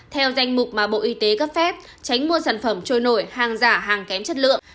theo danh mục mà bộ y tế cấp phép tránh mua sản phẩm trôi nổi hàng giả hàng kém chất lượng